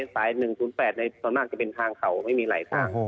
ส่วนมากจะเป็นทางเขาไม่มีไหลทาง